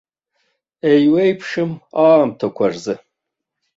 Еиуеиԥшым аамҭақәа рзы.